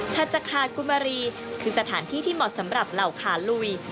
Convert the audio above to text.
ถัดจากขาดกุมารีคือสถานที่ที่เหมาะสำหรับเหล่าขาลุย